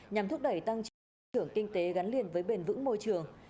nhằm thúc đẩy tăng trưởng kinh tế gắn liền với bền vững môi trường